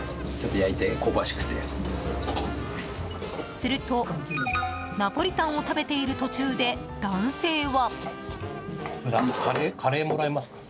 するとナポリタンを食べている途中で男性は。